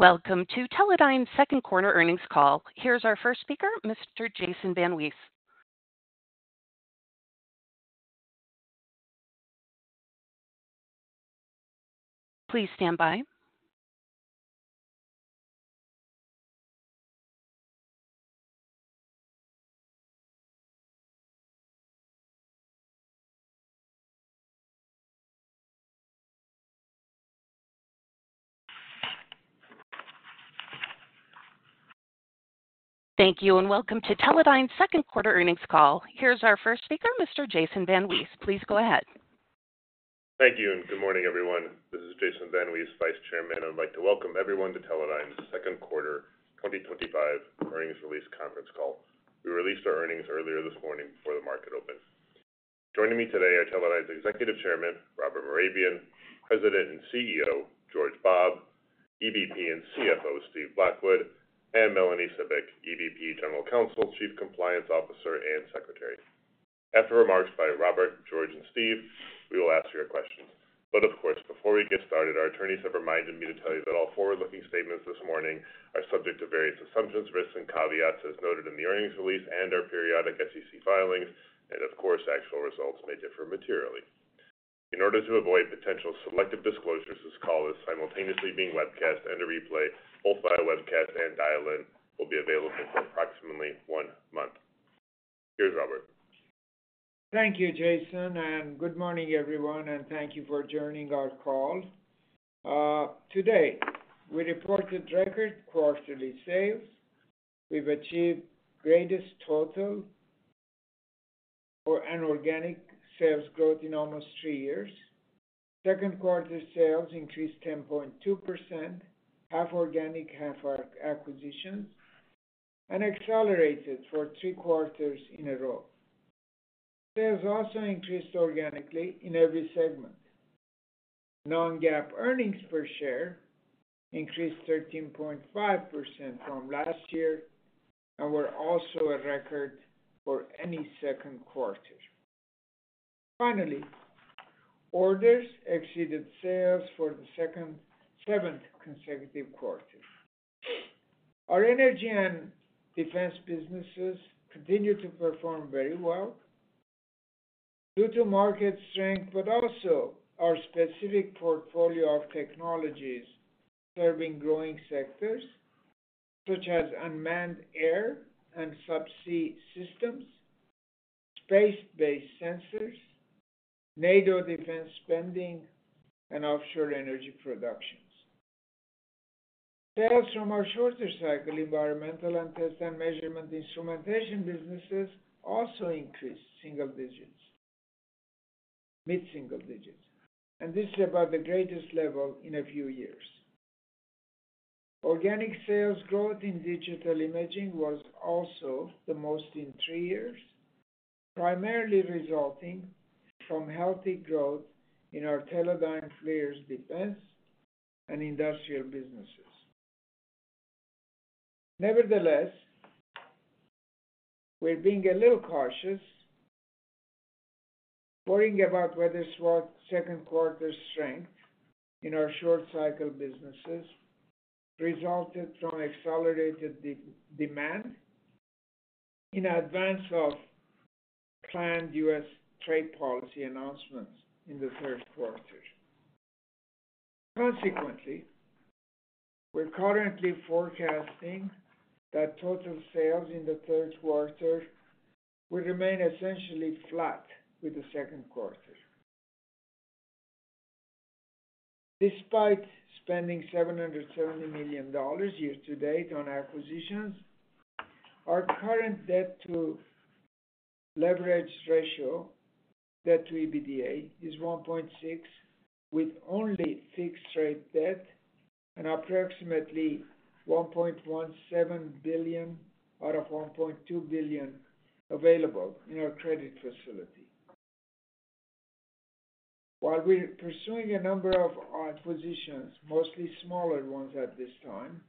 Welcome to Teledyne's second quarter earnings call. Thank you, and welcome to Teledyne's second quarter earnings call. Here's our first speaker, Mr. Jason VanWees. Please go ahead. Thank you, and good morning, everyone. This is Jason VanWees, Vice Chairman. I'd like to welcome everyone to Teledyne's second quarter 2025 earnings release conference call. We released our earnings earlier this morning before the market opened. Joining me today are Teledyne's Executive Chairman, Robert Mehrabian, President and CEO, George Bobb, EVP and CFO, Stephen Blackwood, and Melanie Cibik, EVP General Counsel, Chief Compliance Officer, and Secretary. After remarks by Robert, George, and Stephen, we will ask your questions. Of course, before we get started, our attorneys have reminded me to tell you that all forward-looking statements this morning are subject to various assumptions, risks, and caveats as noted in the earnings release and our periodic SEC filings, and, of course, actual results may differ materially. In order to avoid potential selective disclosures, this call is simultaneously being webcast and replayed, both via webcast and dial-in, and will be available for approximately one month. Here is Robert. Thank you, Jason, and good morning, everyone, and thank you for joining our call. Today, we reported record quarterly sales. We've achieved greatest total for an organic sales growth in almost three years. Second quarter sales increased 10.2%. Half organic, half acquisitions, and accelerated for three quarters in a row. Sales also increased organically in every segment. Non-GAAP earnings per share increased 13.5% from last year and were also at record for any second quarter. Finally, orders exceeded sales for the second, seventh consecutive quarter. Our energy and defense businesses continue to perform very well due to market strength, but also our specific portfolio of technologies serving growing sectors such as unmanned air and subsea systems, space-based sensors, NATO defense spending, and offshore energy productions. Sales from our shorter cycle environmental and test and measurement instrumentation businesses also increased single digits, mid-single digits, and this is about the greatest level in a few years. Organic sales growth in digital imaging was also the most in three years, primarily resulting from healthy growth in our Teledyne FLIR's defense and industrial businesses. Nevertheless, we're being a little cautious, worrying about whether second quarter strength in our short cycle businesses resulted from accelerated demand in advance of planned U.S. trade policy announcements in the third quarter. Consequently, we're currently forecasting that total sales in the third quarter will remain essentially flat with the second quarter. Despite spending $770 million year-to-date on acquisitions, our current debt-to-leverage ratio, debt-to-EBITDA, is 1.6, with only fixed-rate debt and approximately $1.17 billion out of $1.2 billion available in our credit facility. While we're pursuing a number of acquisitions, mostly smaller ones at this time,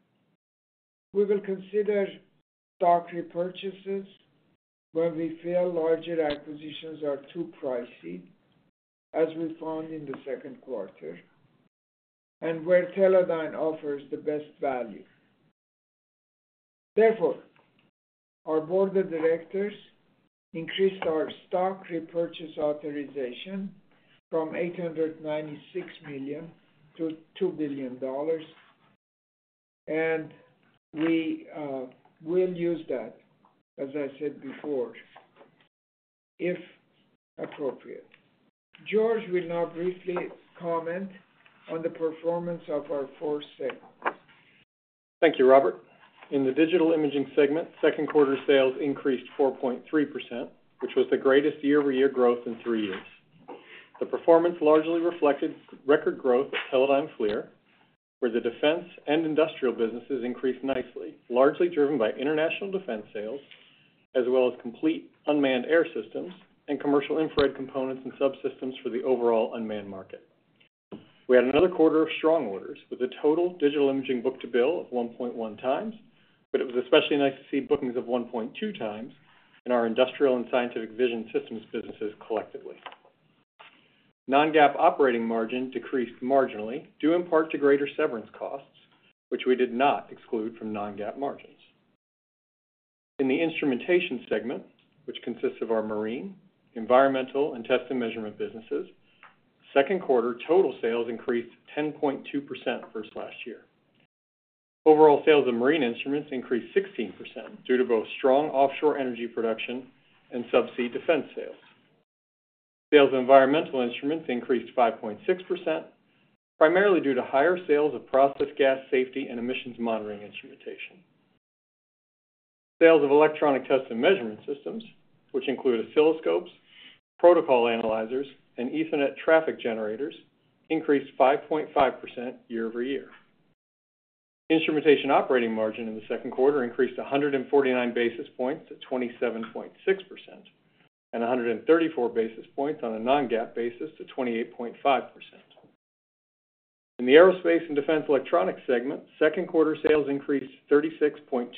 we will consider stock repurchases when we feel larger acquisitions are too pricey, as we found in the second quarter, and where Teledyne offers the best value. Therefore, our board of directors increased our stock repurchase authorization from $896 million to $2 billion. We will use that, as I said before, if appropriate. George will now briefly comment on the performance of our four segments. Thank you, Robert. In the Digital Imaging segment, second quarter sales increased 4.3%, which was the greatest year-over-year growth in three years. The performance largely reflected record growth at Teledyne FLIR, where the defense and industrial businesses increased nicely, largely driven by international defense sales, as well as complete unmanned air systems and commercial infrared components and subsystems for the overall unmanned market. We had another quarter of strong orders, with a total Digital Imaging book-to-bill of 1.1 times, but it was especially nice to see bookings of 1.2 times in our industrial and scientific vision systems businesses collectively. Non-GAAP operating margin decreased marginally due in part to greater severance costs, which we did not exclude from non-GAAP margins. In the Instrumentation segment, which consists of our marine, environmental, and test and measurement businesses, second quarter total sales increased 10.2% versus last year. Overall sales of marine instruments increased 16% due to both strong offshore energy production and subsea defense sales. Sales of environmental instruments increased 5.6%, primarily due to higher sales of process gas safety and emissions monitoring instrumentation. Sales of electronic test and measurement systems, which include oscilloscopes, protocol analyzers, and Ethernet traffic generators, increased 5.5% year-over-year. Instrumentation operating margin in the second quarter increased 149 basis points to 27.6%, and 134 basis points on a non-GAAP basis to 28.5%. In the Aerospace and Defense Electronics segment, second quarter sales increased 36.2%,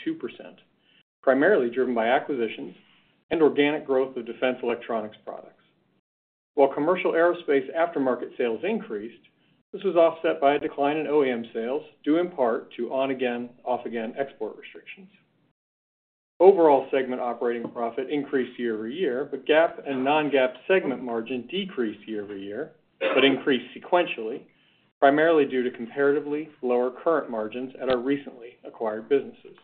primarily driven by acquisitions and organic growth of defense electronics products. While commercial aerospace aftermarket sales increased, this was offset by a decline in OEM sales due in part to on-again, off-again export restrictions. Overall segment operating profit increased year-over-year, but GAAP and non-GAAP segment margin decreased year-over-year but increased sequentially, primarily due to comparatively lower current margins at our recently acquired businesses.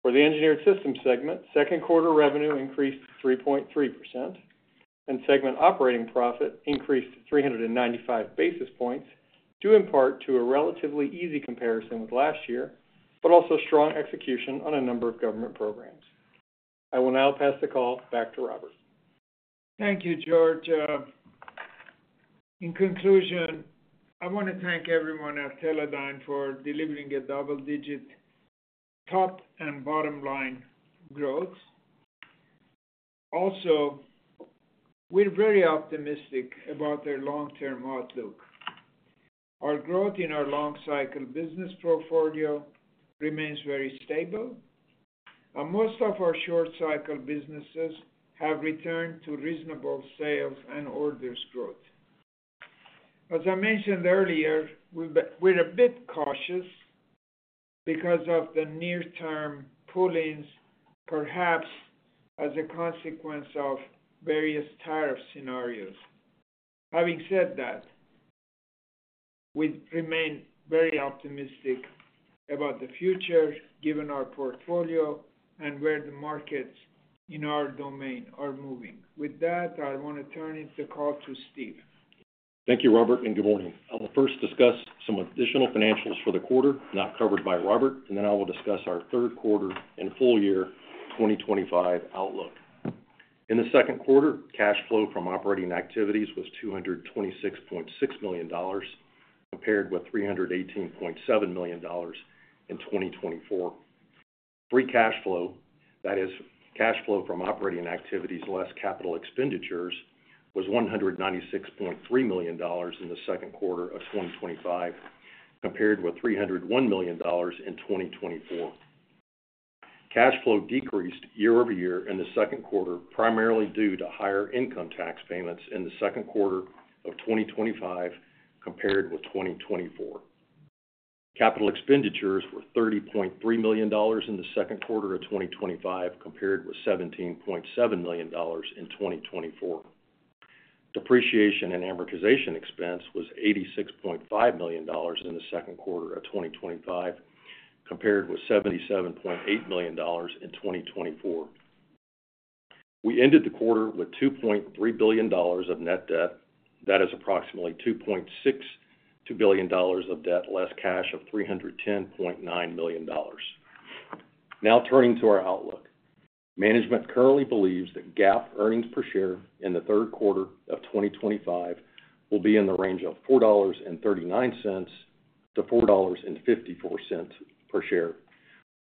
For the Engineered Systems segment, second quarter revenue increased 3.3%, and segment operating profit increased 395 basis points due in part to a relatively easy comparison with last year, but also strong execution on a number of government programs. I will now pass the call back to Robert. Thank you, George. In conclusion, I want to thank everyone at Teledyne for delivering double-digit top and bottom-line growth. Also, we're very optimistic about our long-term outlook. Our growth in our long-cycle business portfolio remains very stable. Most of our short-cycle businesses have returned to reasonable sales and orders growth. As I mentioned earlier, we're a bit cautious because of the near-term pullings, perhaps as a consequence of various tariff scenarios. Having said that, we remain very optimistic about the future given our portfolio and where the markets in our domain are moving. With that, I want to turn the call to Steve. Thank you, Robert, and good morning. I'll first discuss some additional financials for the quarter not covered by Robert, and then I will discuss our third quarter and full year 2025 outlook. In the second quarter, cash flow from operating activities was $226.6 million, compared with $318.7 million in 2024. Free cash flow, that is cash flow from operating activities less capital expenditures, was $196.3 million in the second quarter of 2025, compared with $301 million in 2024. Cash flow decreased year-over-year in the second quarter, primarily due to higher income tax payments in the second quarter of 2025 compared with 2024. Capital expenditures were $30.3 million in the second quarter of 2025, compared with $17.7 million in 2024. Depreciation and amortization expense was $86.5 million in the second quarter of 2025, compared with $77.8 million in 2024. We ended the quarter with $2.3 billion of net debt. That is approximately $2.62 billion of debt less cash of $310.9 million. Now turning to our outlook, management currently believes that GAAP earnings per share in the third quarter of 2025 will be in the range of $4.39-$4.54 per share,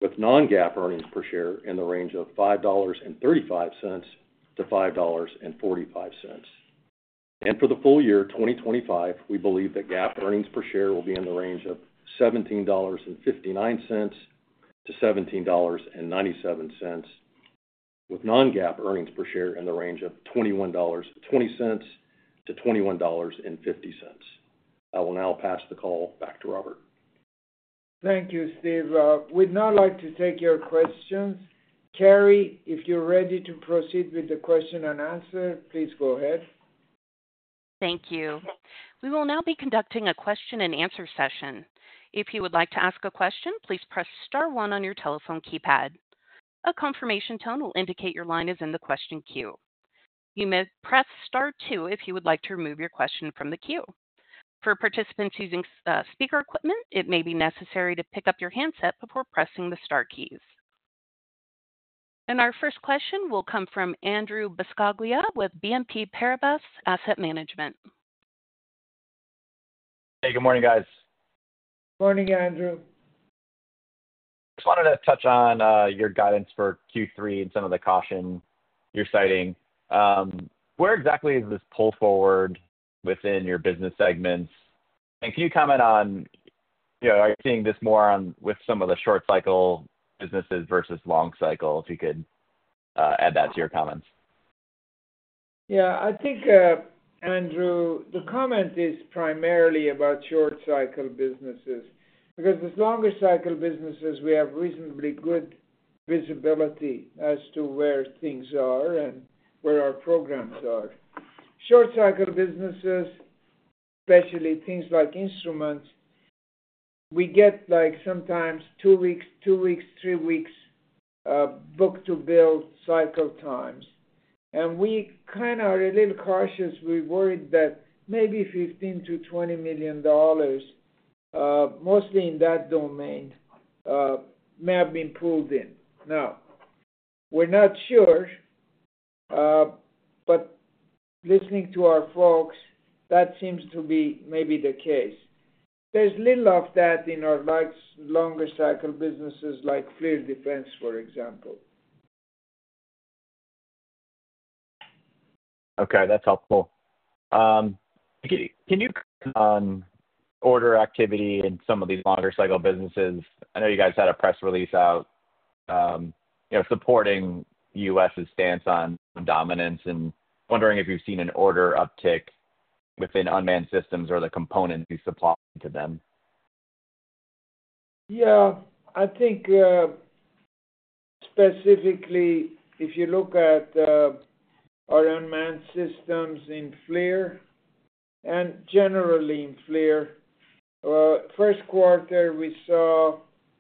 with non-GAAP earnings per share in the range of $5.35-$5.45. For the full year 2025, we believe that GAAP earnings per share will be in the range of $17.59-$17.97, with non-GAAP earnings per share in the range of $21.20-$21.50. I will now pass the call back to Robert. Thank you, Steve. We'd now like to take your questions. Carrie, if you're ready to proceed with the question and answer, please go ahead. Thank you. We will now be conducting a question-and-answer session. If you would like to ask a question, please press Star 1 on your telephone keypad. A confirmation tone will indicate your line is in the question queue. You may press Star 2 if you would like to remove your question from the queue. For participants using speaker equipment, it may be necessary to pick up your handset before pressing the Star keys. Our first question will come from Andrew Baskoglia with BNP Paribas Asset Management. Hey, good morning, guys. Morning, Andrew. Just wanted to touch on your guidance for Q3 and some of the caution you're citing. Where exactly is this pull forward within your business segments? Can you comment on, are you seeing this more with some of the short-cycle businesses versus long-cycle? If you could add that to your comments. Yeah, I think. Andrew, the comment is primarily about short-cycle businesses because the longer-cycle businesses, we have reasonably good visibility as to where things are and where our programs are. Short-cycle businesses, especially things like instruments, we get sometimes two weeks, three weeks, book-to-bill cycle times. We kind of are a little cautious. We worried that maybe $15-$20 million, mostly in that domain, may have been pulled in. Now, we're not sure. Listening to our folks, that seems to be maybe the case. There's little of that in our longer-cycle businesses like Teledyne FLIR Defense, for example. Okay, that's helpful. Can you comment on order activity in some of these longer-cycle businesses? I know you guys had a press release out. Supporting U.S.'s stance on dominance and wondering if you've seen an order uptick within unmanned systems or the components you supply to them. Yeah, I think. Specifically, if you look at our unmanned systems in FLIR. And generally in FLIR. First quarter, we saw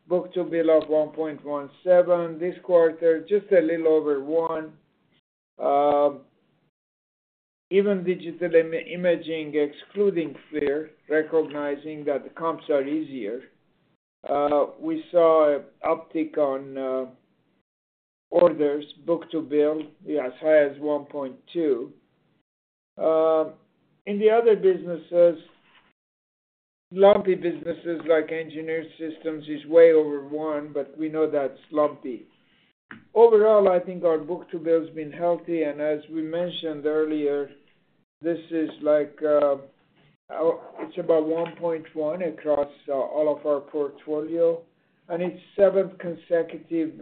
book-to-bill of 1.17. This quarter, just a little over one. Even Digital Imaging, excluding FLIR, recognizing that the comps are easier. We saw an uptick on orders, book-to-bill, as high as 1.2. In the other businesses. Lumpy businesses like Engineered Systems is way over one, but we know that's lumpy. Overall, I think our book-to-bill has been healthy. As we mentioned earlier, this is like, it's about 1.1 across all of our portfolio. It's the seventh consecutive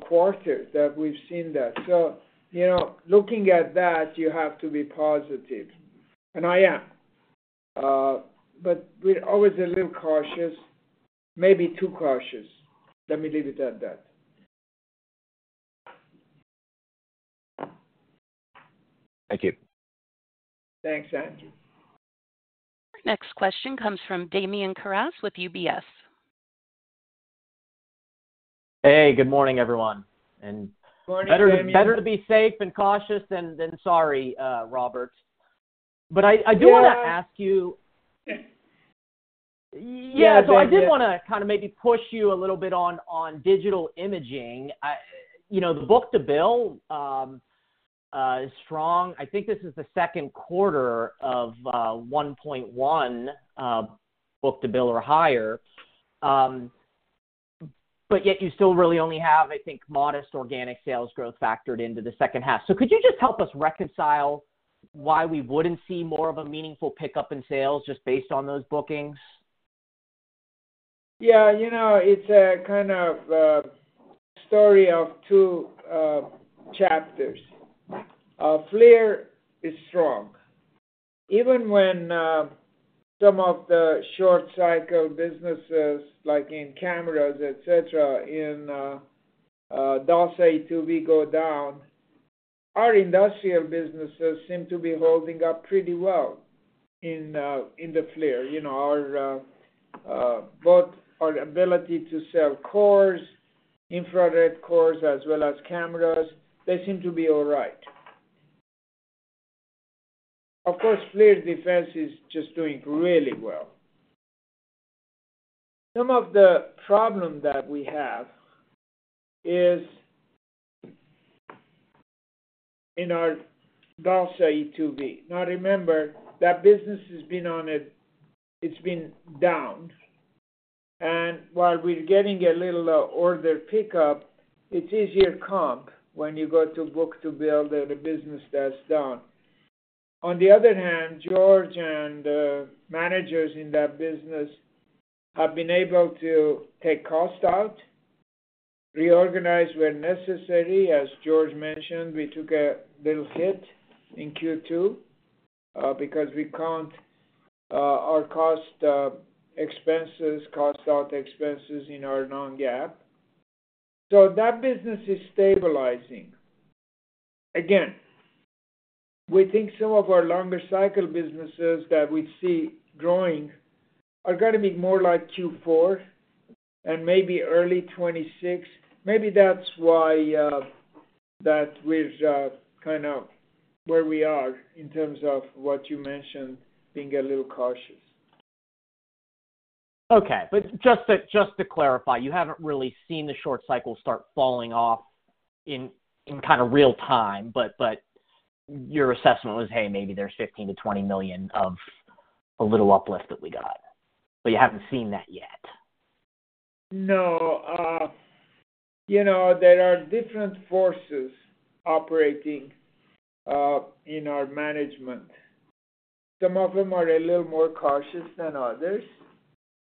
quarter that we've seen that. Looking at that, you have to be positive. I am. We're always a little cautious, maybe too cautious. Let me leave it at that. Thank you. Thanks, Andrew. Our next question comes from Damien Carras with UBS. Hey, good morning, everyone. Better to be safe and cautious than sorry, Robert. I do want to ask you. Yeah, I did want to kind of maybe push you a little bit on digital imaging. The book-to-bill is strong. I think this is the second quarter of 1.1 book-to-bill or higher. Yet you still really only have, I think, modest organic sales growth factored into the second half. Could you just help us reconcile why we would not see more of a meaningful pickup in sales just based on those bookings? Yeah, it's a kind of story of two chapters. FLIR is strong, even when some of the short-cycle businesses, like in cameras, etc., in DALSA to Viggo down. Our industrial businesses seem to be holding up pretty well. In the FLIR, both our ability to sell cores, infrared cores, as well as cameras, they seem to be all right. Of course, FLIR Defense is just doing really well. Some of the problems that we have is in our DALSA e2v. Now, remember, that business has been on a it's been down. And while we're getting a little order pickup, it's easier comp when you go to book-to-bill than a business that's down. On the other hand, George and the managers in that business have been able to take cost out, reorganize where necessary. As George mentioned, we took a little hit in Q2 because we count our cost expenses, cost-out expenses in our non-GAAP. So that business is stabilizing. Again, we think some of our longer-cycle businesses that we see growing are going to be more like Q4 and maybe early 2026. Maybe that's why that we're kind of where we are in terms of what you mentioned, being a little cautious. Okay. Just to clarify, you have not really seen the short cycle start falling off in kind of real time, but your assessment was, "Hey, maybe there is $15 million-$20 million of a little uplift that we got." You have not seen that yet. No. There are different forces operating in our management. Some of them are a little more cautious than others.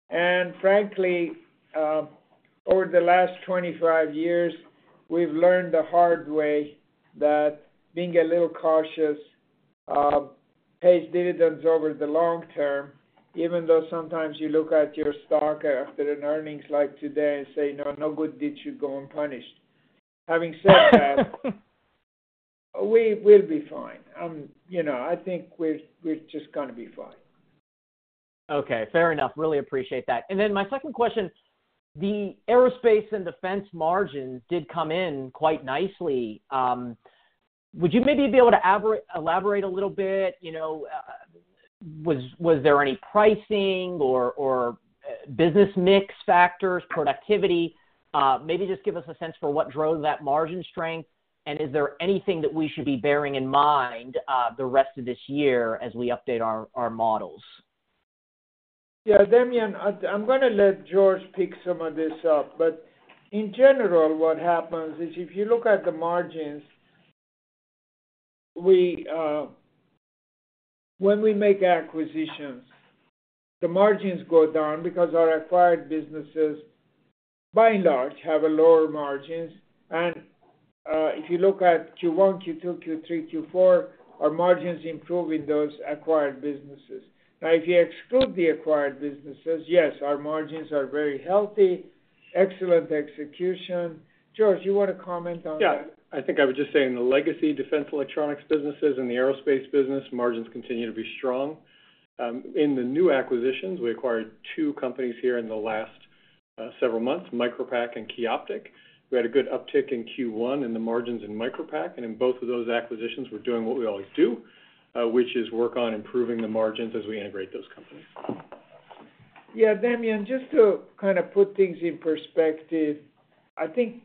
And frankly, over the last 25 years, we've learned the hard way that being a little cautious pays dividends over the long term, even though sometimes you look at your stock after an earnings like today and say, "No, no good. Did you go and punish?" Having said that, we'll be fine. I think we're just going to be fine. Okay. Fair enough. Really appreciate that. Then my second question, the aerospace and defense margins did come in quite nicely. Would you maybe be able to elaborate a little bit? Was there any pricing or business mix factors, productivity? Maybe just give us a sense for what drove that margin strength. Is there anything that we should be bearing in mind the rest of this year as we update our models? Yeah, Damien, I'm going to let George pick some of this up. In general, what happens is if you look at the margins. When we make acquisitions, the margins go down because our acquired businesses, by and large, have lower margins. If you look at Q1, Q2, Q3, Q4, our margins improve in those acquired businesses. Now, if you exclude the acquired businesses, yes, our margins are very healthy, excellent execution. George, you want to comment on that? Yeah. I think I would just say in the legacy defense electronics businesses and the aerospace business, margins continue to be strong. In the new acquisitions, we acquired two companies here in the last several months, Micropac and Key Optik. We had a good uptick in Q1 in the margins in Micropac. In both of those acquisitions, we're doing what we always do, which is work on improving the margins as we integrate those companies. Yeah, Damien, just to kind of put things in perspective, I think.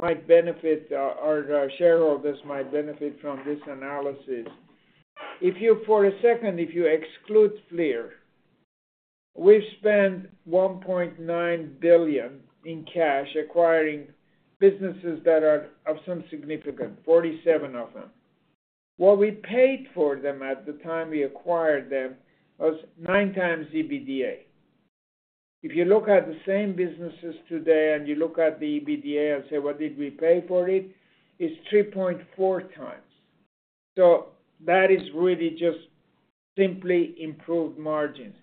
Our shareholders might benefit from this analysis. If you for a second, if you exclude FLIR. We've spent $1.9 billion in cash acquiring businesses that are of some significance, 47 of them. What we paid for them at the time we acquired them was nine times EBITDA. If you look at the same businesses today and you look at the EBITDA and say, "What did we pay for it?" It's 3.4 times. That is really just simply improved margins.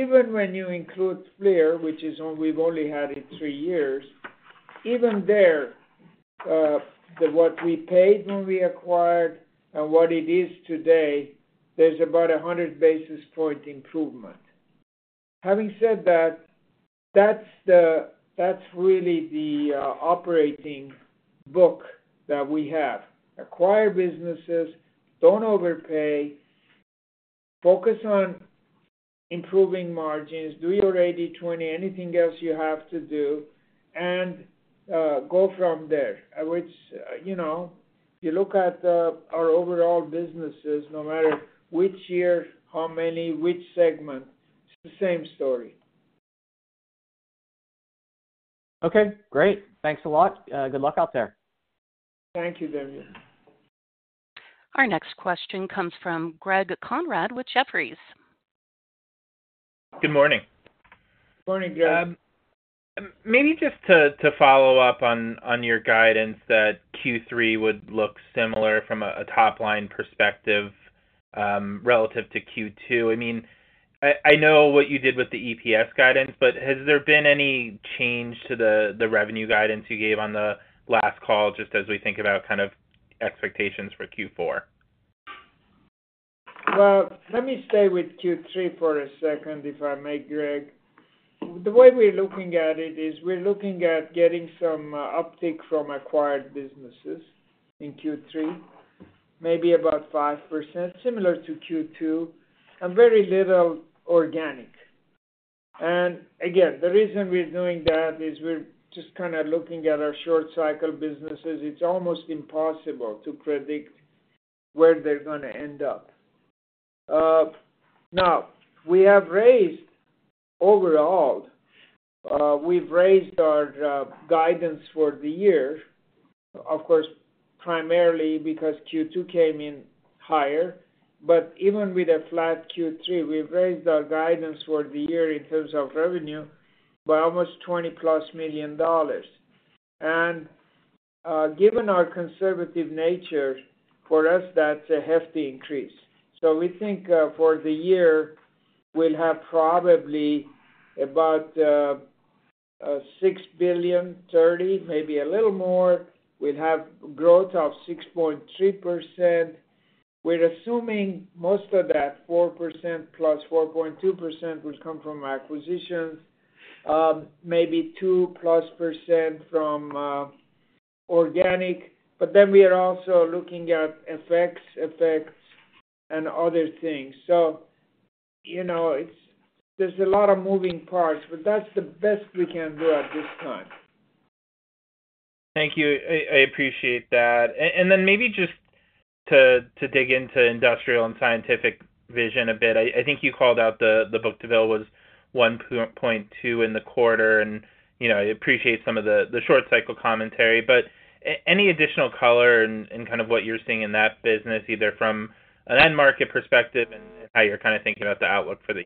Even when you include FLIR, which we've only had it three years, even there. What we paid when we acquired and what it is today, there's about 100 basis point improvement. Having said that. That's really the operating book that we have. Acquire businesses, don't overpay. Focus on improving margins, do your 80/20, anything else you have to do. Go from there. If you look at our overall businesses, no matter which year, how many, which segment, it's the same story. Okay. Great. Thanks a lot. Good luck out there. Thank you, Damien. Our next question comes from Greg Konrad with Jefferies. Good morning. Good morning, Greg. Maybe just to follow up on your guidance that Q3 would look similar from a top-line perspective relative to Q2. I mean, I know what you did with the EPS guidance, but has there been any change to the revenue guidance you gave on the last call just as we think about kind of expectations for Q4? Let me stay with Q3 for a second, if I may, Greg. The way we're looking at it is we're looking at getting some uptick from acquired businesses in Q3, maybe about 5%, similar to Q2, and very little organic. Again, the reason we're doing that is we're just kind of looking at our short-cycle businesses. It's almost impossible to predict where they're going to end up. Now, we have raised. Overall, we've raised our guidance for the year, of course, primarily because Q2 came in higher. Even with a flat Q3, we've raised our guidance for the year in terms of revenue by almost $20 million-plus. Given our conservative nature, for us, that's a hefty increase. We think for the year, we'll have probably about $6,030,000,000, maybe a little more. We'll have growth of 6.3%. We're assuming most of that, 4% plus, 4.2%, will come from acquisitions, maybe 2-plus percent from organic. We are also looking at effects, effects, and other things. There are a lot of moving parts, but that's the best we can do at this time. Thank you. I appreciate that. Maybe just to dig into industrial and scientific vision a bit, I think you called out the book-to-bill was 1.2 in the quarter. I appreciate some of the short-cycle commentary. Any additional color in kind of what you're seeing in that business, either from an end-market perspective and how you're kind of thinking about the outlook for the year?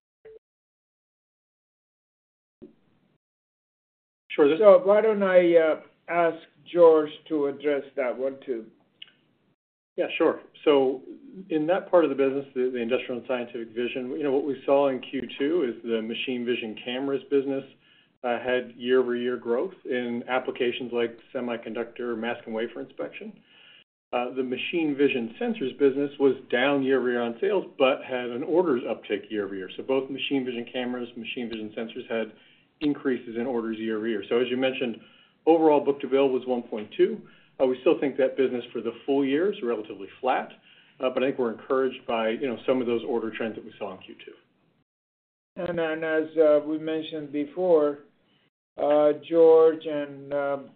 Sure. Why don't I ask George to address that one too? Yeah, sure. In that part of the business, the industrial and scientific vision, what we saw in Q2 is the machine vision cameras business had year-over-year growth in applications like semiconductor mask and wafer inspection. The machine vision sensors business was down year-over-year on sales but had an orders uptick year-over-year. Both machine vision cameras and machine vision sensors had increases in orders year-over-year. As you mentioned, overall book-to-bill was 1.2. We still think that business for the full year is relatively flat. I think we're encouraged by some of those order trends that we saw in Q2. As we mentioned before, George, and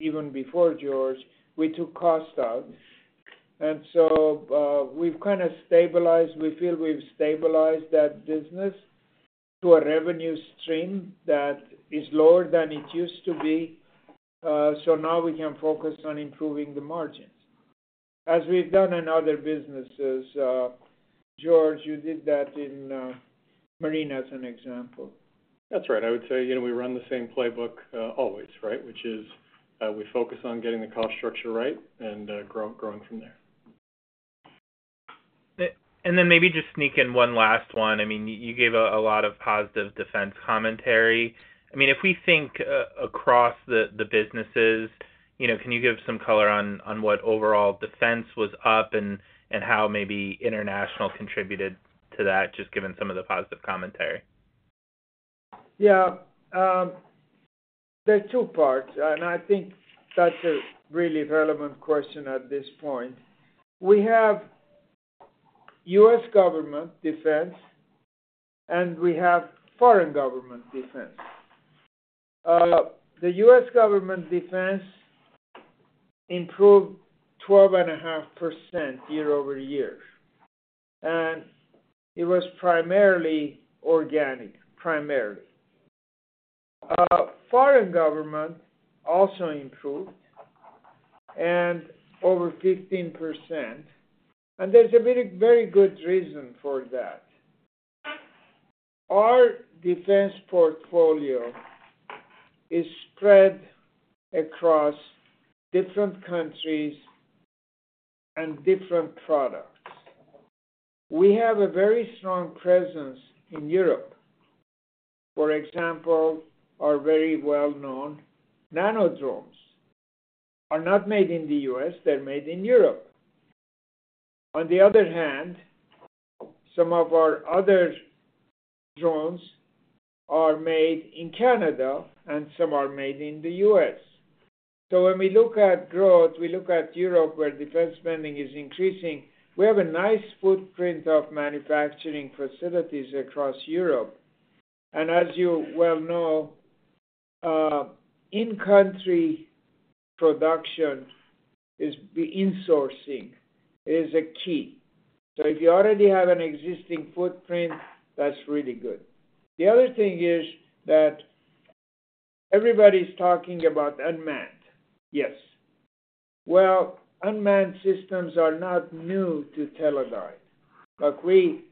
even before George, we took cost out. We have kind of stabilized. We feel we have stabilized that business to a revenue stream that is lower than it used to be. Now we can focus on improving the margins, as we have done in other businesses. George, you did that in marine as an example. That's right. I would say we run the same playbook always, right? Which is we focus on getting the cost structure right and growing from there. Maybe just sneak in one last one. I mean, you gave a lot of positive defense commentary. I mean, if we think across the businesses, can you give some color on what overall defense was up and how maybe international contributed to that, just given some of the positive commentary? Yeah. There are two parts. I think that's a really relevant question at this point. We have U.S. government defense, and we have foreign government defense. The U.S. government defense improved 12.5% year-over-year. It was primarily organic, primarily. Foreign government also improved, and over 15%. There's a very good reason for that. Our defense portfolio is spread across different countries and different products. We have a very strong presence in Europe. For example, our very well-known nanodrones are not made in the U.S.; they're made in Europe. On the other hand, some of our other drones are made in Canada, and some are made in the U.S. When we look at growth, we look at Europe where defense spending is increasing. We have a nice footprint of manufacturing facilities across Europe. As you well know, in-country production is the insourcing. It is a key. If you already have an existing footprint, that's really good. The other thing is that everybody's talking about unmanned. Yes. Unmanned systems are not new to Teledyne. We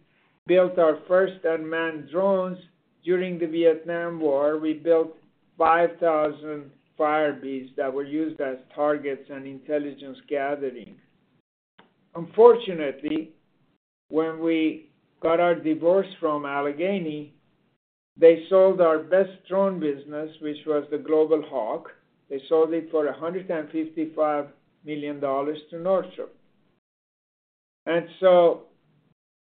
built our first unmanned drones during the Vietnam War. We built 5,000 Firebee that were used as targets and intelligence gathering. Unfortunately, when we got our divorce from Allegheny, they sold our best drone business, which was the Global Hawk. They sold it for $155 million to Northrop.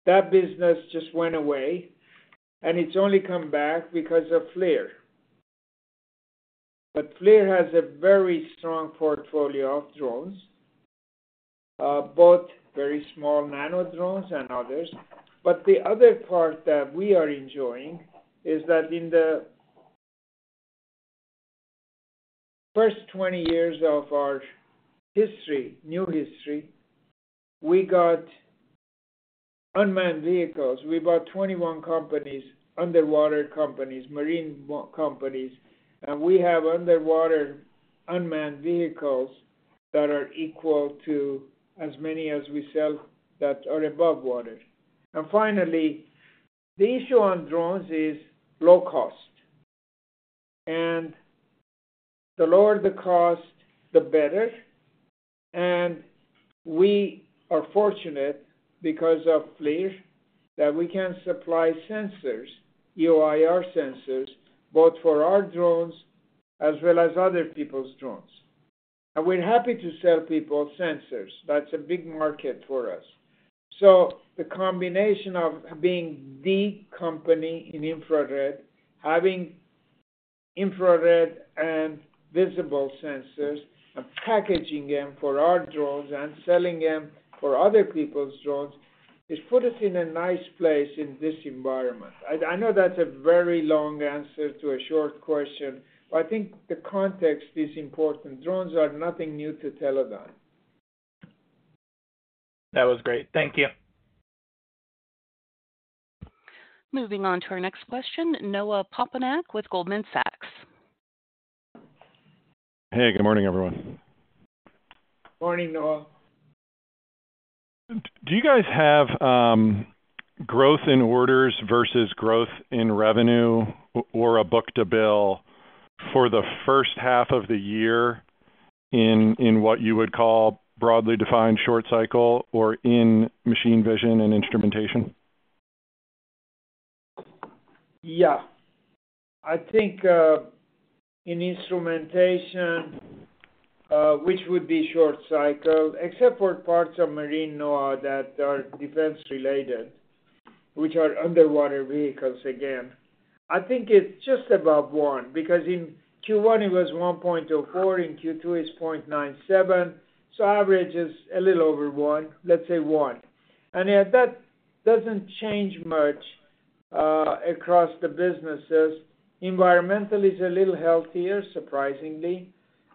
That business just went away. It's only come back because of FLIR. FLIR has a very strong portfolio of drones, both very small nanodrones and others. The other part that we are enjoying is that in the first 20 years of our new history, we got unmanned vehicles. We bought 21 companies, underwater companies, marine companies. We have underwater unmanned vehicles that are equal to as many as we sell that are above water. Finally, the issue on drones is low cost. The lower the cost, the better. We are fortunate because of FLIR that we can supply sensors, EO/IR sensors, both for our drones as well as other people's drones. We're happy to sell people sensors. That's a big market for us. The combination of being the company in infrared, having infrared and visible sensors, and packaging them for our drones and selling them for other people's drones has put us in a nice place in this environment. I know that's a very long answer to a short question, but I think the context is important. Drones are nothing new to Teledyne. That was great. Thank you. Moving on to our next question, Noah Poponak with Goldman Sachs. Hey, good morning, everyone. Morning, Noah. Do you guys have growth in orders versus growth in revenue or a book-to-bill for the first half of the year in what you would call broadly defined short cycle or in machine vision and instrumentation? Yeah. I think in instrumentation, which would be short cycle except for parts of Marine, Noah, that are defense-related, which are underwater vehicles again, I think it's just above one because in Q1, it was 1.04. In Q2, it's 0.97. So average is a little over one, let's say one. That does not change much across the businesses. Environmental is a little healthier, surprisingly.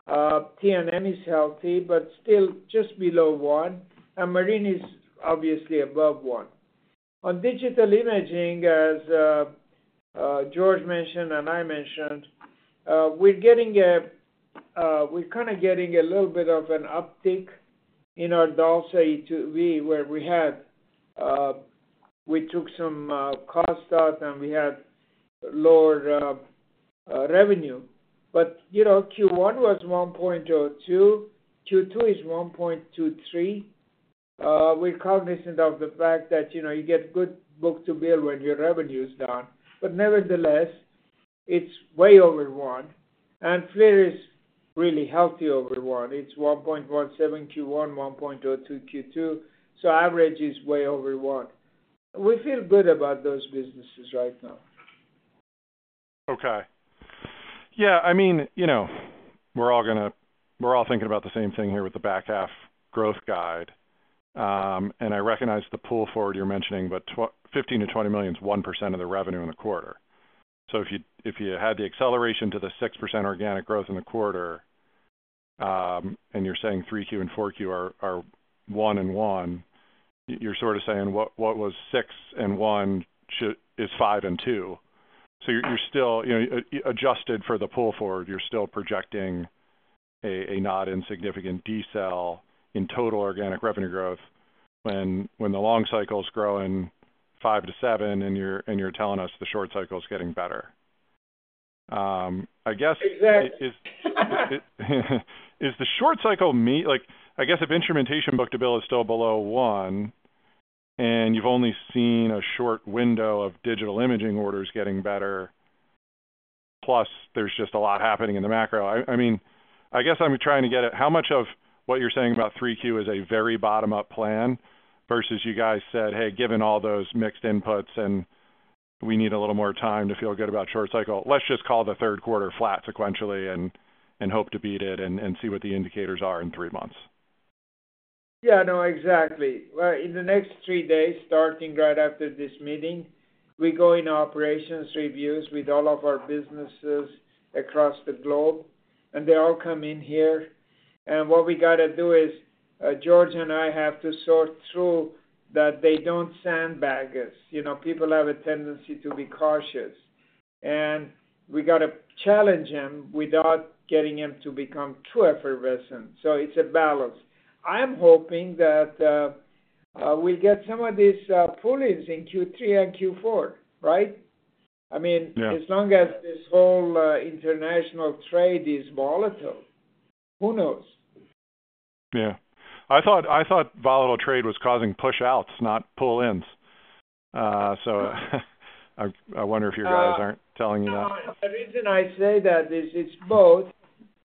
TNM is healthy, but still just below one. Marine is obviously above one. On digital imaging, as George mentioned and I mentioned, we're getting a— We're kind of getting a little bit of an uptick in our DALSA E2V where we had, we took some cost out, and we had lower revenue. Q1 was 1.02. Q2 is 1.23. We're cognizant of the fact that you get good book-to-bill when your revenue is down. Nevertheless, it's way over one. FLIR is really healthy over one. It's 1.17 Q1, 1.02 Q2. So average is way over one. We feel good about those businesses right now. Okay. Yeah. I mean, we're all thinking about the same thing here with the back half growth guide. I recognize the pull forward you're mentioning, but $15 million-$20 million is 1% of the revenue in the quarter. If you had the acceleration to the 6% organic growth in the quarter, and you're saying 3Q and 4Q are 1 and 1, you're sort of saying what was 6 and 1 is 5 and 2. You're still, adjusted for the pull forward, you're still projecting a not insignificant deceleration in total organic revenue growth when the long cycle's growing 5%-7% and you're telling us the short cycle's getting better, I guess. Exactly. Is the short cycle—I guess if instrumentation book-to-bill is still below one. And you've only seen a short window of digital imaging orders getting better. Plus there's just a lot happening in the macro. I mean, I guess I'm trying to get at how much of what you're saying about 3Q is a very bottom-up plan versus you guys said, "Hey, given all those mixed inputs and we need a little more time to feel good about short cycle, let's just call the third quarter flat sequentially and hope to beat it and see what the indicators are in three months. Yeah. No, exactly. In the next three days, starting right after this meeting, we go into operations reviews with all of our businesses across the globe. They all come in here. What we got to do is George and I have to sort through that they do not sandbag us. People have a tendency to be cautious. We got to challenge them without getting them to become too effervescent. It is a balance. I am hoping that we will get some of these poolings in Q3 and Q4, right? I mean, as long as this whole international trade is volatile, who knows? Yeah. I thought volatile trade was causing push-outs, not pull-ins. I wonder if your guys aren't telling you that. The reason I say that is it's both.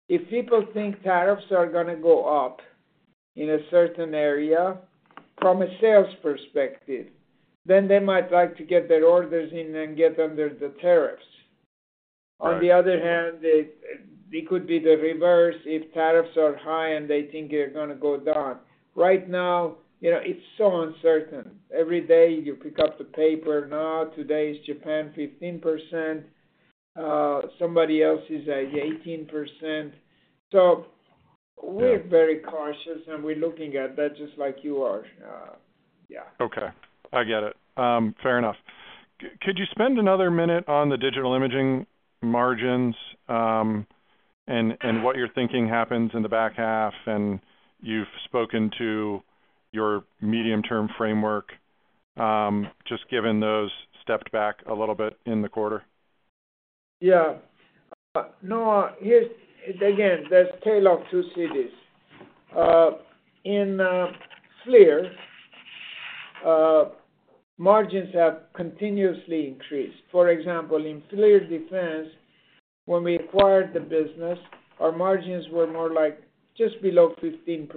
If people think tariffs are going to go up in a certain area from a sales perspective, then they might like to get their orders in and get under the tariffs. On the other hand, it could be the reverse if tariffs are high and they think they're going to go down. Right now, it's so uncertain. Every day you pick up the paper. No, today's Japan 15%. Somebody else is at 18%. We are very cautious and we are looking at that just like you are. Yeah. Okay. I get it. Fair enough. Could you spend another minute on the Digital Imaging margins. And what you're thinking happens in the back half and you've spoken to your medium-term framework. Just given those stepped back a little bit in the quarter? Yeah. Noah, again, there's tale of two cities. In FLIR. Margins have continuously increased. For example, in FLIR Defense, when we acquired the business, our margins were more like just below 15%.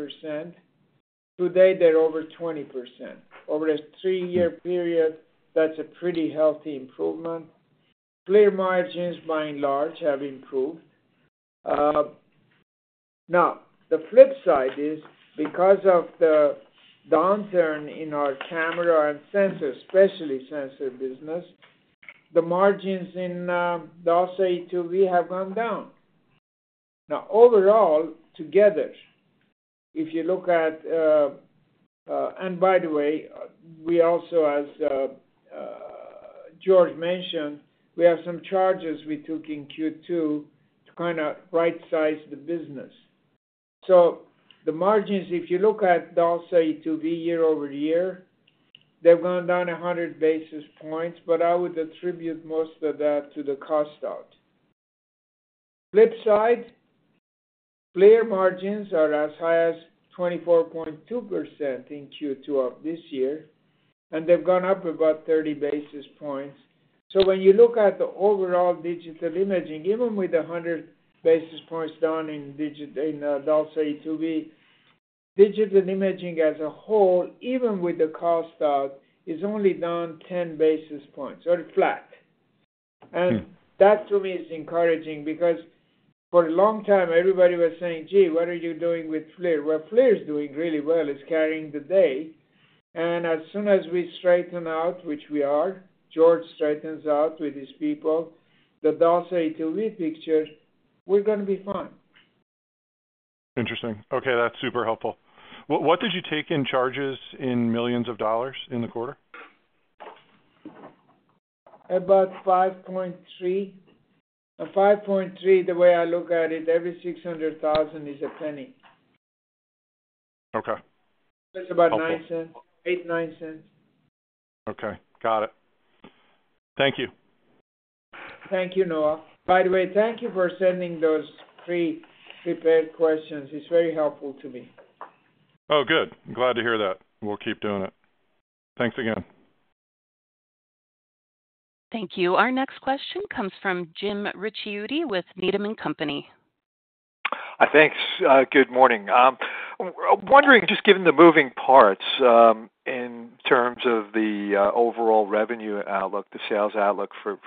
Today, they're over 20%. Over a three-year period, that's a pretty healthy improvement. FLIR margins, by and large, have improved. Now, the flip side is because of the downturn in our camera and sensor, especially sensor business. The margins in DALSA E2V have gone down. Now, overall, together, if you look at— By the way, we also, as George mentioned, we have some charges we took in Q2 to kind of right-size the business. So the margins, if you look at DALSA E2V year over year, they've gone down 100 basis points, but I would attribute most of that to the cost out. Flip side, FLIR margins are as high as 24.2% in Q2 of this year, and they've gone up about 30 basis points. When you look at the overall digital imaging, even with 100 basis points down in DALSA E2V, digital imaging as a whole, even with the cost out, is only down 10 basis points or flat. That, to me, is encouraging because for a long time, everybody was saying, "Gee, what are you doing with FLIR?" FLIR is doing really well. It's carrying the day. As soon as we straighten out, which we are, George straightens out with his people, the DALSA E2V picture, we're going to be fine. Interesting. Okay. That's super helpful. What did you take in charges in millions of dollars in the quarter? About 5.3. 5.3, the way I look at it, every $600,000 is a penny. Okay. It's about 8. Okay. 9 cents. Okay. Got it. Thank you. Thank you, Noah. By the way, thank you for sending those three prepared questions. It is very helpful to me. Oh, good. I'm glad to hear that. We'll keep doing it. Thanks again. Thank you. Our next question comes from Jim Ricciuti with Needham & Company. Thanks. Good morning. I'm wondering, just given the moving parts. In terms of the overall revenue outlook, the sales outlook for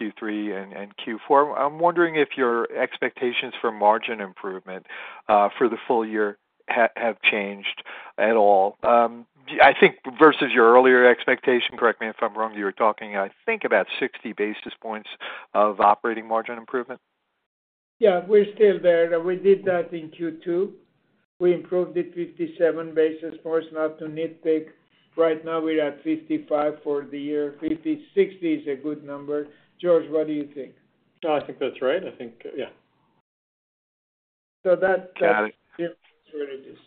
Q3 and Q4, I'm wondering if your expectations for margin improvement for the full year have changed at all. I think versus your earlier expectation, correct me if I'm wrong, you were talking, I think, about 60 basis points of operating margin improvement. Yeah. We're still there. We did that in Q2. We improved it 57 basis points, not to nitpick. Right now, we're at 55 for the year. 60 is a good number. George, what do you think? I think that's right. I think, yeah. That's where it is.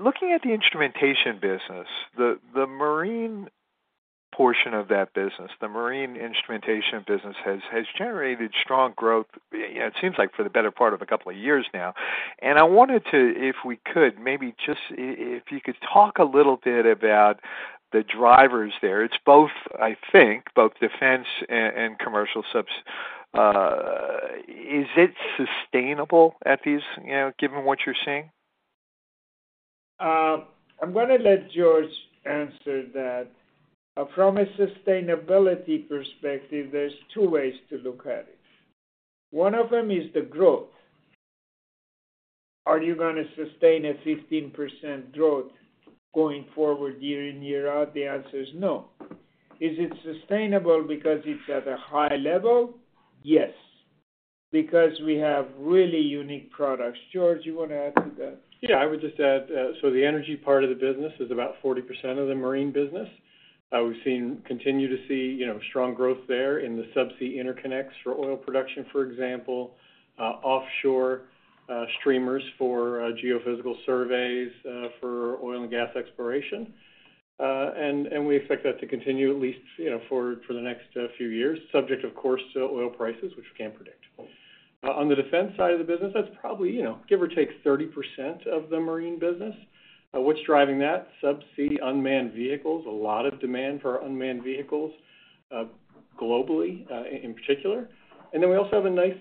Looking at the instrumentation business, the marine portion of that business, the marine instrumentation business has generated strong growth, it seems like for the better part of a couple of years now. I wanted to, if we could, maybe just if you could talk a little bit about the drivers there. It's both, I think, both defense and commercial. Subs. Is it sustainable at these, given what you're seeing? I'm going to let George answer that. From a sustainability perspective, there's two ways to look at it. One of them is the growth. Are you going to sustain a 15% growth going forward year in, year out? The answer is no. Is it sustainable because it's at a high level? Yes. Because we have really unique products. George, you want to add to that? Yeah. I would just add, so the energy part of the business is about 40% of the marine business. We continue to see strong growth there in the subsea interconnects for oil production, for example. Offshore. Streamers for geophysical surveys for oil and gas exploration. We expect that to continue at least for the next few years, subject, of course, to oil prices, which we can't predict. On the defense side of the business, that's probably, give or take, 30% of the marine business. What's driving that? Subsea unmanned vehicles. A lot of demand for unmanned vehicles. Globally in particular. We also have a nice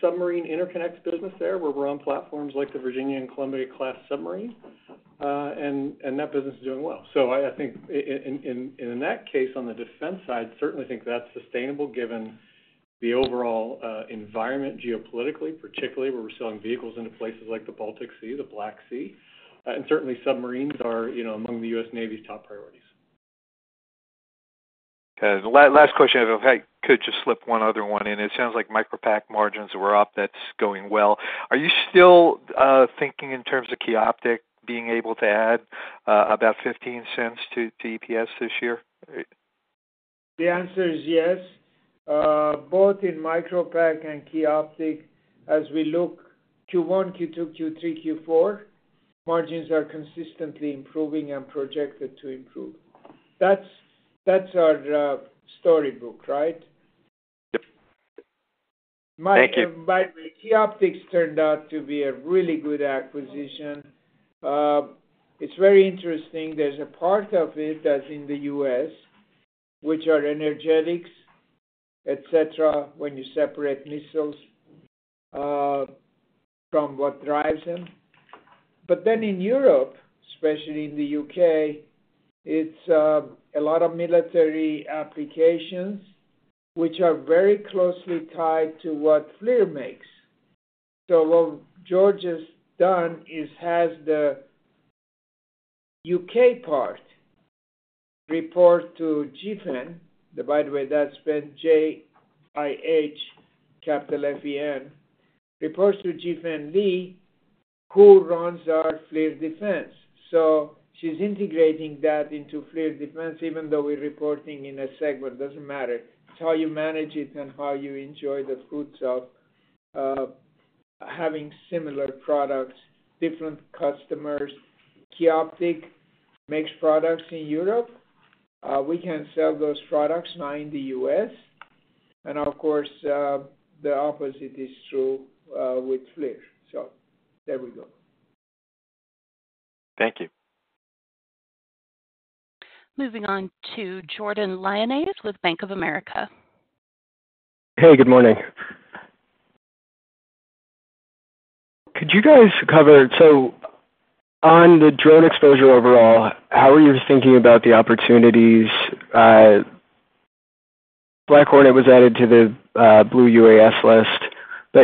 submarine interconnect business there where we're on platforms like the Virginia and Columbia-class submarine. That business is doing well. I think in that case, on the defense side, certainly think that's sustainable given the overall environment geopolitically, particularly where we're selling vehicles into places like the Baltic Sea, the Black Sea. Certainly, submarines are among the U.S. Navy's top priorities. Okay. Last question. If I could just slip one other one in. It sounds like Micropack margins were up. That's going well. Are you still thinking in terms of Key Optik being able to add about $0.15 to EPS this year? The answer is yes. Both in Micropack and Key Optik, as we look Q1, Q2, Q3, Q4. Margins are consistently improving and projected to improve. That's our storybook, right? Yep. Thank you. By the way, Key Optik turned out to be a really good acquisition. It's very interesting. There's a part of it that's in the U.S., which are energetics, etc., when you separate missiles from what drives them. In Europe, especially in the U.K., it's a lot of military applications which are very closely tied to what FLIR makes. What George has done is has the U.K. part report to Jifen. By the way, that's spelled J-I-H, capital F-E-N. Reports to Jifen Lee, who runs our FLIR Defense. She's integrating that into FLIR Defense, even though we're reporting in a segment. Doesn't matter. It's how you manage it and how you enjoy the fruits of having similar products, different customers. Key Optik makes products in Europe. We can sell those products now in the U.S. Of course, the opposite is true with FLIR. There we go. Thank you. Moving on to Jordan Lyonnais with Bank of America. Hey, good morning. Could you guys cover, so, on the drone exposure overall, how are you thinking about the opportunities? Black Hornet was added to the Blue UAS list.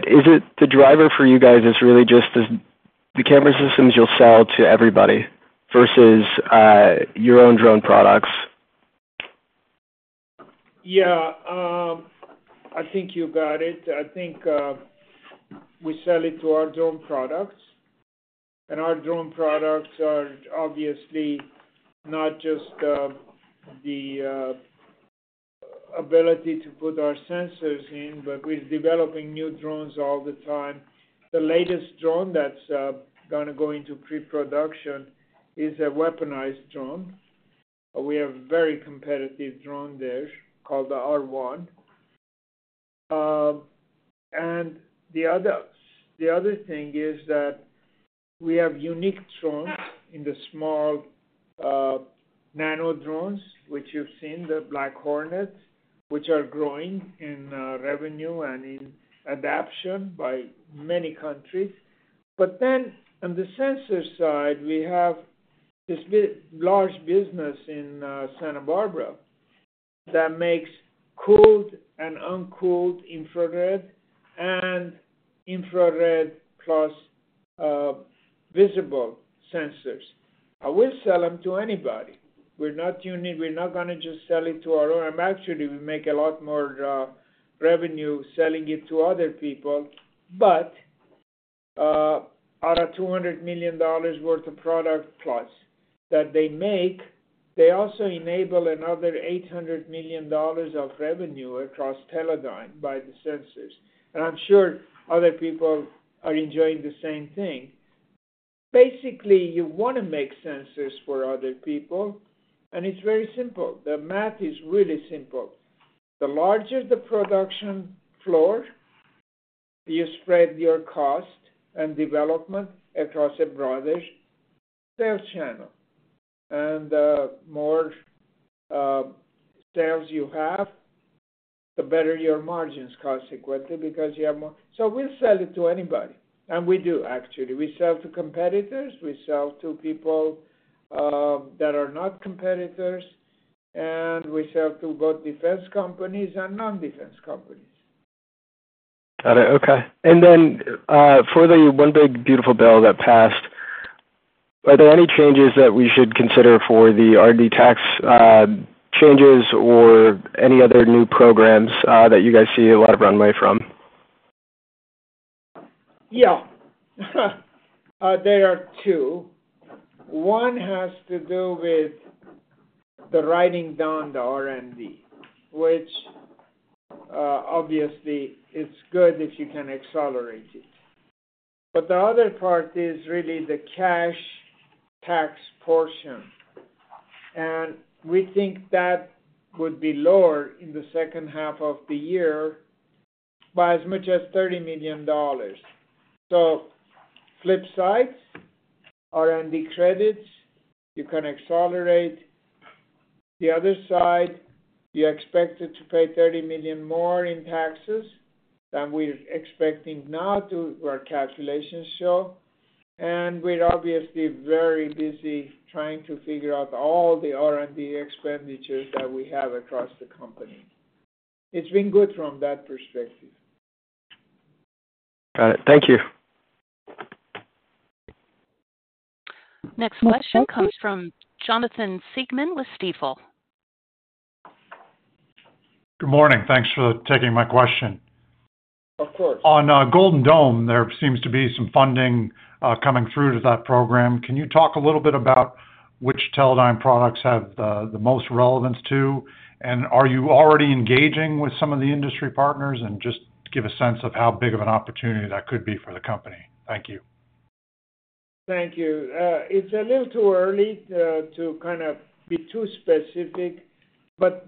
Is it the driver for you guys, or is it really just the camera systems you'll sell to everybody versus your own drone products? Yeah. I think you got it. I think we sell it to our drone products. And our drone products are obviously not just the ability to put our sensors in, but we're developing new drones all the time. The latest drone that's going to go into pre-production is a weaponized drone. We have a very competitive drone there called the R1. The other thing is that we have unique drones in the small nano drones, which you've seen, the Black Hornets, which are growing in revenue and in adoption by many countries. On the sensor side, we have this large business in Santa Barbara that makes cooled and uncooled infrared and infrared plus visible sensors. We sell them to anybody. We're not going to just sell it to our own. Actually, we make a lot more revenue selling it to other people. Our $200 million worth of product plus that they make, they also enable another $800 million of revenue across Teledyne by the sensors. I'm sure other people are enjoying the same thing. Basically, you want to make sensors for other people. It's very simple. The math is really simple. The larger the production floor, you spread your cost and development across a broader sales channel. The more sales you have, the better your margins, consequently, because you have more. We'll sell it to anybody. We do, actually. We sell to competitors. We sell to people that are not competitors. We sell to both defense companies and non-defense companies. Got it. Okay. For the one big beautiful bill that passed, are there any changes that we should consider for the R&D tax changes or any other new programs that you guys see a lot of runway from? Yeah. There are two. One has to do with the writing down, the R&D, which obviously, it's good if you can accelerate it. The other part is really the cash tax portion. We think that would be lower in the second half of the year by as much as $30 million. Flip sides. R&D credits, you can accelerate. The other side, you're expected to pay $30 million more in taxes than we're expecting now, too, where calculations show. We're obviously very busy trying to figure out all the R&D expenditures that we have across the company. It's been good from that perspective. Got it. Thank you. Next question comes from Jonathan Siegmann with Stifel. Good morning. Thanks for taking my question. Of course. On Golden Dome, there seems to be some funding coming through to that program. Can you talk a little bit about which Teledyne products have the most relevance to? Are you already engaging with some of the industry partners? Just give a sense of how big of an opportunity that could be for the company. Thank you. Thank you. It's a little too early to kind of be too specific.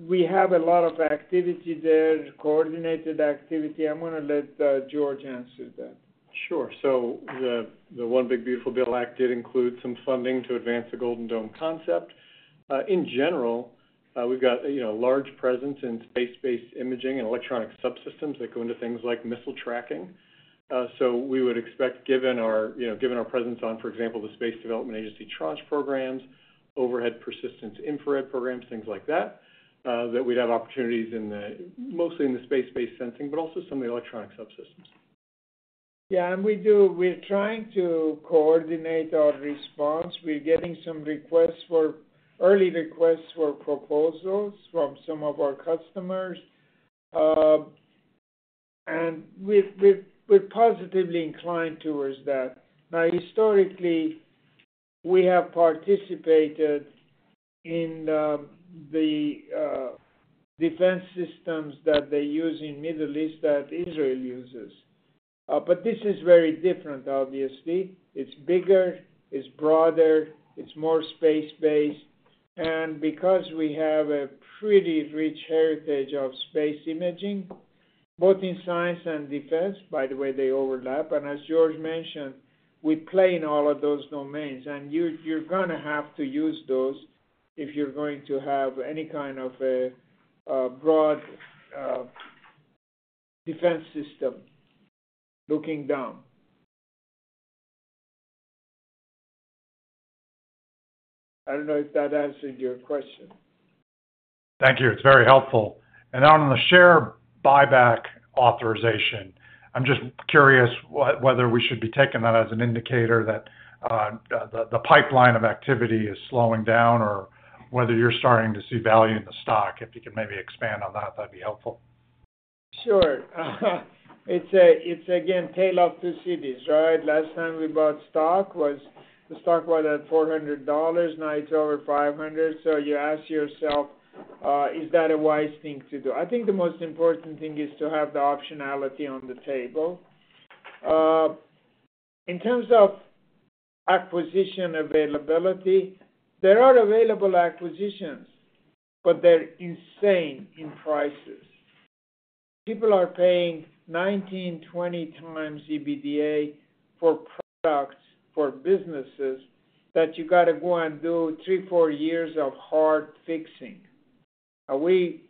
We have a lot of activity there, coordinated activity. I'm going to let George answer that. Sure. The one big beautiful bill act did include some funding to advance the Golden Dome concept. In general, we've got a large presence in space-based imaging and electronic subsystems that go into things like missile tracking. We would expect, given our presence on, for example, the Space Development Agency Tranche programs, overhead persistent infrared programs, things like that, that we'd have opportunities mostly in the space-based sensing, but also some of the electronic subsystems. Yeah. And we're trying to coordinate our response. We're getting some early requests for proposals from some of our customers. We're positively inclined towards that. Now, historically, we have participated in the defense systems that they use in the Middle East that Israel uses. This is very different, obviously. It's bigger. It's broader. It's more space-based. Because we have a pretty rich heritage of space imaging, both in science and defense, by the way, they overlap. As George mentioned, we play in all of those domains. You're going to have to use those if you're going to have any kind of a broad defense system looking down. I don't know if that answered your question. Thank you. It's very helpful. On the share buyback authorization, I'm just curious whether we should be taking that as an indicator that the pipeline of activity is slowing down or whether you're starting to see value in the stock. If you can maybe expand on that, that'd be helpful. Sure. It's, again, tale of two cities, right? Last time we bought stock, the stock was at $400. Now it's over $500. So you ask yourself, is that a wise thing to do? I think the most important thing is to have the optionality on the table. In terms of acquisition availability, there are available acquisitions, but they're insane in prices. People are paying 19, 20 times EBITDA for products, for businesses that you got to go and do three, four years of hard fixing. We,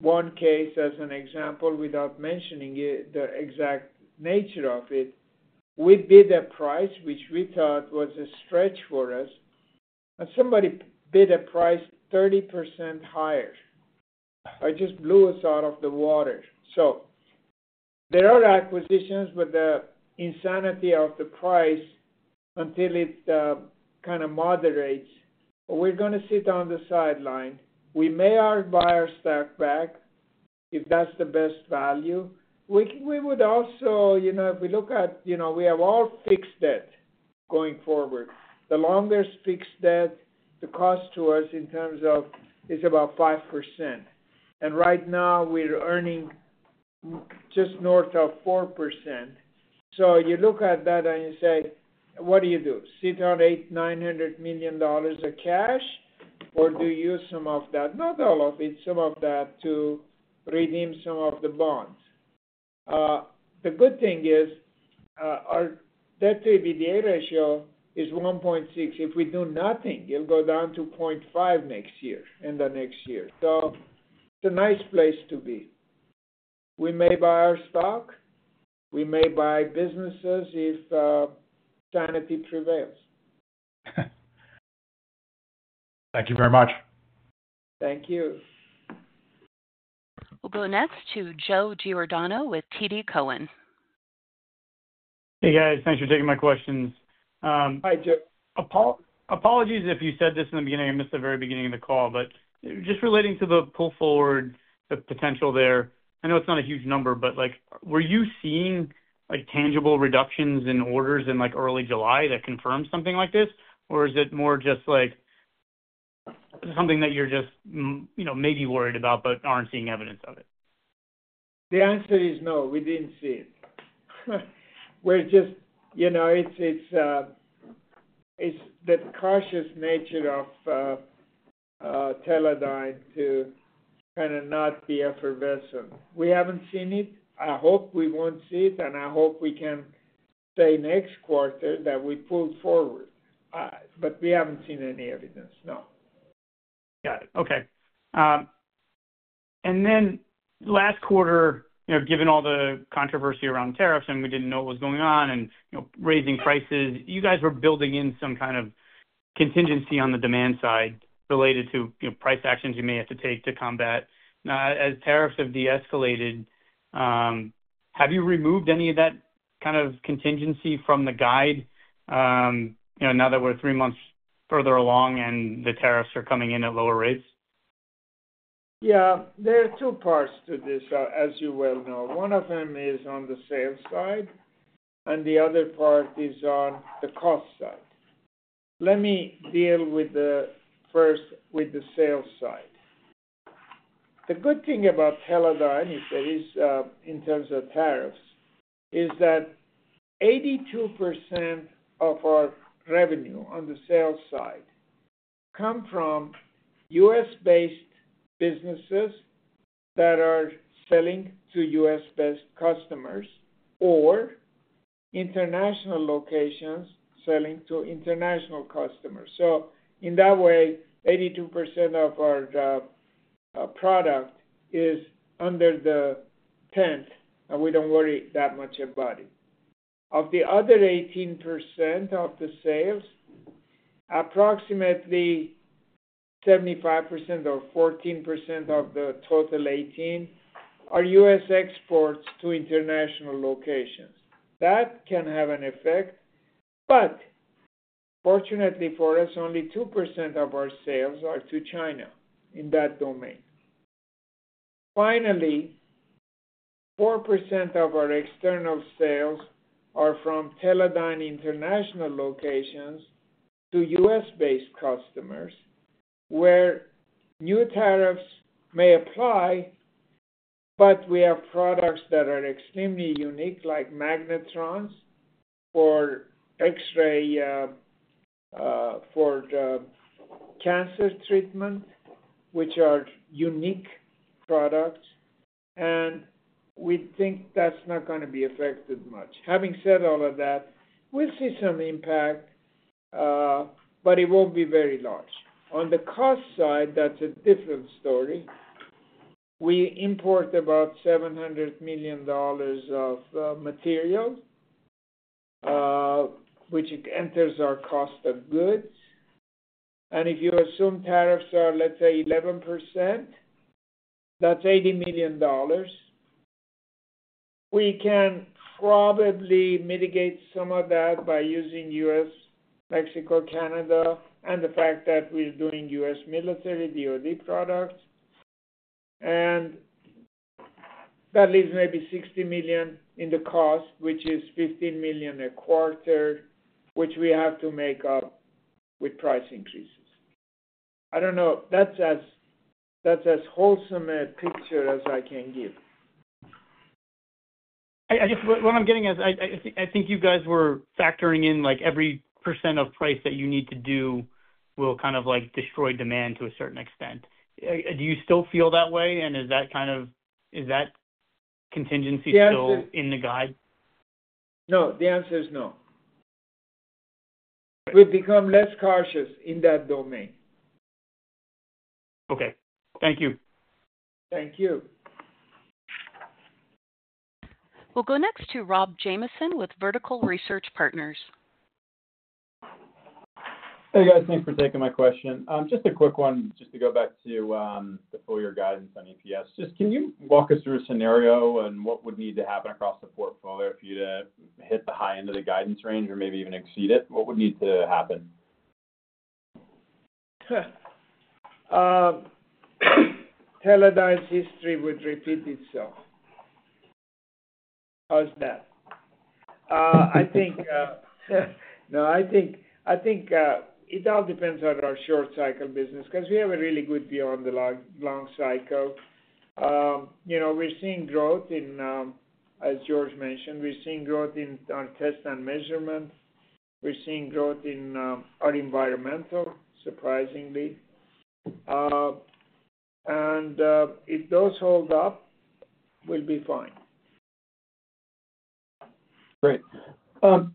one case as an example without mentioning the exact nature of it. We bid a price which we thought was a stretch for us. And somebody bid a price 30% higher. It just blew us out of the water. There are acquisitions with the insanity of the price until it kind of moderates. We're going to sit on the sideline. We may buy our stock back if that's the best value. We would also, if we look at, we have all fixed debt going forward. The longest fixed debt, the cost to us in terms of is about 5%. And right now, we're earning just north of 4%. You look at that and you say, "What do you do? Sit on $800 million-$900 million of cash, or do you use some of that?" Not all of it, some of that to redeem some of the bonds. The good thing is our debt-to-EBITDA ratio is 1.6. If we do nothing, it'll go down to 0.5 next year, in the next year. It's a nice place to be. We may buy our stock. We may buy businesses if insanity prevails. Thank you very much. Thank you. We'll go next to Joe Giordano with TD Cowen. Hey, guys. Thanks for taking my questions. Hi, Joe. Apologies if you said this in the beginning. I missed the very beginning of the call. Just relating to the pull forward, the potential there, I know it's not a huge number, but were you seeing tangible reductions in orders in early July that confirmed something like this? Or is it more just something that you're just maybe worried about but aren't seeing evidence of it? The answer is no. We did not see it. We are just. It is. The cautious nature of Teledyne to kind of not be effervescent. We have not seen it. I hope we will not see it. I hope we can say next quarter that we pulled forward. We have not seen any evidence, no. Got it. Okay. Last quarter, given all the controversy around tariffs and we did not know what was going on and raising prices, you guys were building in some kind of contingency on the demand side related to price actions you may have to take to combat. Now, as tariffs have de-escalated, have you removed any of that kind of contingency from the guide now that we are three months further along and the tariffs are coming in at lower rates? Yeah. There are two parts to this, as you well know. One of them is on the sales side. The other part is on the cost side. Let me deal with the sales side. The good thing about Teledyne, in terms of tariffs, is that 82% of our revenue on the sales side comes from U.S.-based businesses that are selling to U.S.-based customers or international locations selling to international customers. In that way, 82% of our product is under the tent, and we do not worry that much about it. Of the other 18% of the sales, approximately 75%, or 14% of the total 18, are U.S. exports to international locations. That can have an effect. Fortunately for us, only 2% of our sales are to China in that domain. Finally, 4% of our external sales are from Teledyne international locations to U.S.-based customers, where new tariffs may apply. We have products that are extremely unique, like magnetrons for X-ray cancer treatment, which are unique products. We think that is not going to be affected much. Having said all of that, we will see some impact, but it will not be very large. On the cost side, that is a different story. We import about $700 million of material, which enters our cost of goods. If you assume tariffs are, let's say, 11%, that is $80 million. We can probably mitigate some of that by using U.S., Mexico, Canada, and the fact that we are doing U.S. military, DOD products. That leaves maybe $60 million in the cost, which is $15 million a quarter, which we have to make up with price increases. I do not know. That is as wholesome a picture as I can give. What I'm getting at is I think you guys were factoring in every % of price that you need to do will kind of destroy demand to a certain extent. Do you still feel that way? Is that kind of contingency still in the guide? No. The answer is no. We've become less cautious in that domain. Okay. Thank you. Thank you. We'll go next to Rob Jamison with Vertical Research Partners. Hey, guys. Thanks for taking my question. Just a quick one, just to go back to the full year guidance on EPS. Just can you walk us through a scenario and what would need to happen across the portfolio for you to hit the high end of the guidance range or maybe even exceed it? What would need to happen? Teledyne's history would repeat itself. How's that? I think. No, I think it all depends on our short cycle business because we have a really good view on the long cycle. We're seeing growth in, as George mentioned, we're seeing growth in our test and measurement. We're seeing growth in our environmental, surprisingly. If those hold up, we'll be fine. Great. Can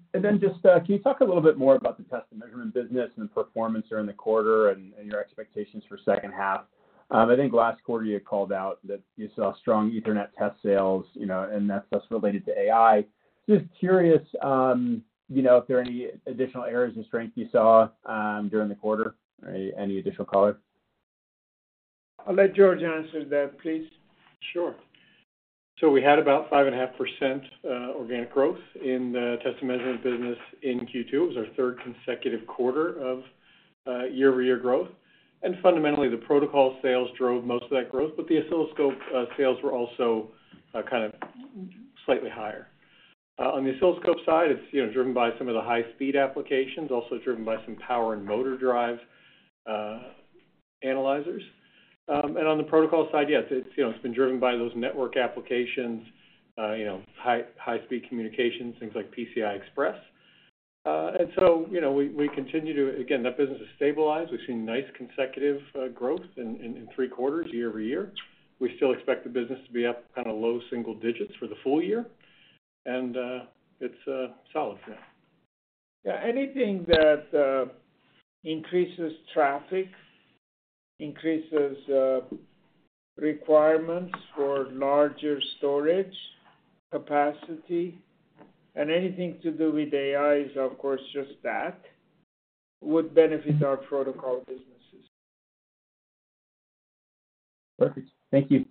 you talk a little bit more about the test and measurement business and the performance during the quarter and your expectations for the second half? I think last quarter, you called out that you saw strong Ethernet test sales, and that's related to AI. Just curious if there are any additional areas of strength you saw during the quarter, any additional color? Let George answer that, please. Sure. We had about 5.5% organic growth in the test and measurement business in Q2. It was our third consecutive quarter of year-over-year growth. Fundamentally, the protocol sales drove most of that growth, but the oscilloscope sales were also kind of slightly higher. On the oscilloscope side, it is driven by some of the high-speed applications, also driven by some power and motor drive analyzers. On the protocol side, yes, it has been driven by those network applications, high-speed communications, things like PCI Express. We continue to, again, that business has stabilized. We have seen nice consecutive growth in three quarters, year over year. We still expect the business to be up kind of low single digits for the full year. It is solid for now. Yeah. Anything that increases traffic increases requirements for larger storage capacity, and anything to do with AI is, of course, just that. Would benefit our protocol businesses. Perfect. Thank you.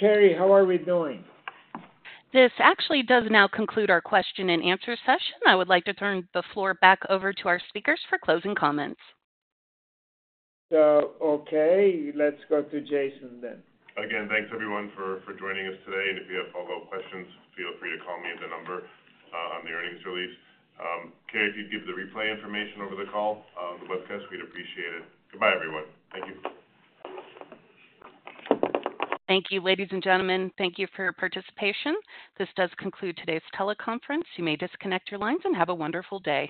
Terry, how are we doing? This actually does now conclude our question-and-answer session. I would like to turn the floor back over to our speakers for closing comments. Okay. Let's go to Jason then. Again, thanks everyone for joining us today. If you have follow-up questions, feel free to call me at the number on the earnings release. Terry, if you'd give the replay information over the call, the webcast, we'd appreciate it. Goodbye, everyone. Thank you. Thank you, ladies and gentlemen. Thank you for your participation. This does conclude today's teleconference. You may disconnect your lines and have a wonderful day.